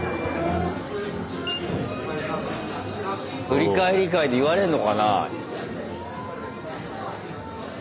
振り返り会で言われんのかな。